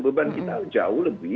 beban kita jauh lebih